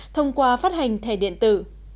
thông qua phát hành thẻ điện tử